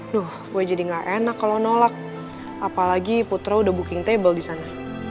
loh gue jadi gak enak kalau nolak apalagi putra udah booking table di sana